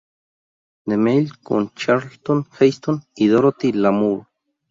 De Mille con Charlton Heston y Dorothy Lamour.